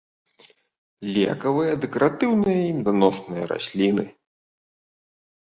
Лекавыя, дэкаратыўныя і меданосныя расліны.